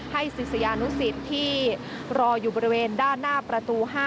ศิษยานุสิตที่รออยู่บริเวณด้านหน้าประตู๕